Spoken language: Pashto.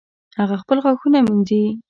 هغه خپل غاښونه مینځي